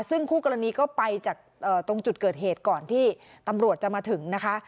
ซึ่งคู่กรณีก็ไปจากตรงจุดเกิดเหตุก่อนที่ตำรวจจะมาถึงนะคะ